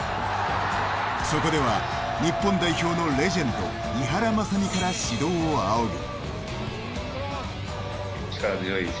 そこでは日本代表のレジェンド井原正巳から指導を仰ぐ。